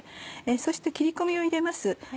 そして切り込みを入れます。